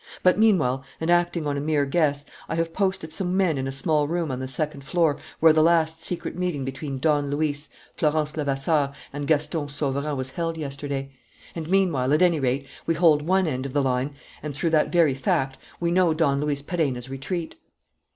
But, meanwhile, and acting on a mere guess, I have posted some men in a small room on the second floor where the last secret meeting between Don Luis, Florence Levasseur, and Gaston Sauverand was held yesterday. And, meanwhile, at any rate, we hold one end of the line and, through that very fact, we know Don Luis Perenna's retreat."